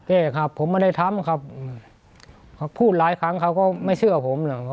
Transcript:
แก้ครับผมไม่ได้ทำครับเขาพูดหลายครั้งเขาก็ไม่เชื่อผมเหรอ